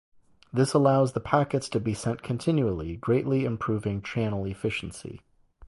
This allows the packets to be sent continually, greatly improving channel efficiency.